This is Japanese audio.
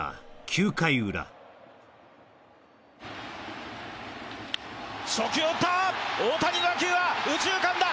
９回裏初球を打ったー大谷の打球は右中間だ